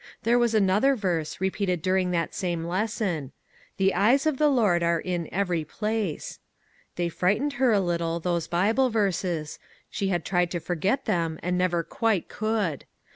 There was another verse, repeated during that same lesson :" The eyes of the Lord are in every place." They frightened her a little, those Bible verses ; she had tried to forget them and never quite could.